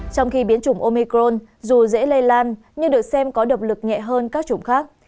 trong khi biến chủng omicron dù dễ lây lan nhưng được xem có độc lực nhẹ hơn các chủng khác